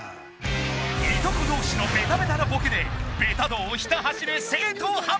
いとこ同士のベタベタなボケでベタ道をひた走る正統派